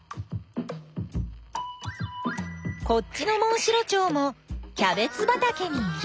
こっちのモンシロチョウもキャベツばたけにいる。